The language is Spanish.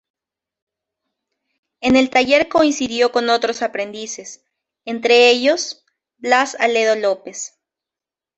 En el taller coincidió con otros aprendices, entre ellos Blas Aledo López.